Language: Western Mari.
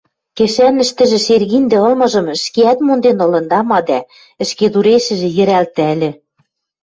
Кӹшӓнӹштӹжӹ шергиндӹ ылмыжым ӹшкеӓт монден ылын, тама, дӓ ӹшкедурешӹжӹ йӹралтальӹ.